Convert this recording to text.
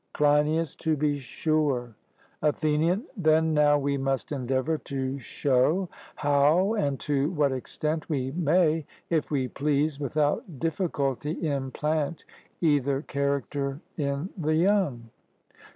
CLEINIAS: To be sure. ATHENIAN: Then now we must endeavour to show how and to what extent we may, if we please, without difficulty implant either character in the young.